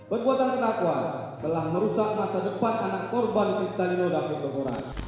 pembuatan pedakwa telah merusak masa depan anak korban kristalino dapur tukoran